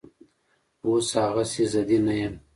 اوس هغسې ضدي نه یم